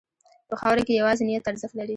په خاوره کې یوازې نیت ارزښت لري.